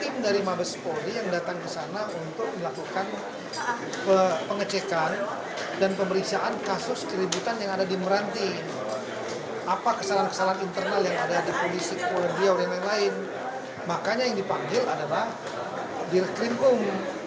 makanya yang dipanggil adalah dirkrim um